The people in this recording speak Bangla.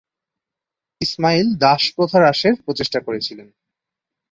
ইসমাইল দাস প্রথা হ্রাসের প্রচেষ্টা করেছিলেন।